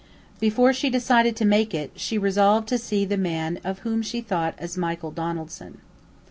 Before she decided to make it, she resolved to see the man of whom she thought as Michael Donaldson.